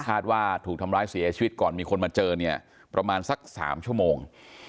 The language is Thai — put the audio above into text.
ว่าถูกทำร้ายเสียชีวิตก่อนมีคนมาเจอเนี่ยประมาณสัก๓ชั่วโมง